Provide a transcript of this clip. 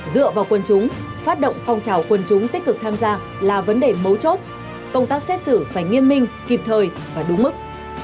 dựa vào quân chúng phát động phong trào quân chúng tích cực tham gia là vấn đề mấu chốt công tác xét xử phải nghiêm minh kịp thời và đúng mức